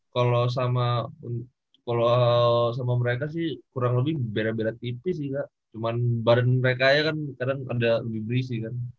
kalau sama mereka sih kurang lebih berat berat tipis sih kak cuman bahan mereka aja kan kadang ada lebih berat gitu kan